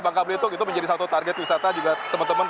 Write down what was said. bangka belitung itu menjadi satu target wisata juga teman teman